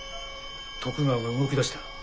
徳川が動き出した。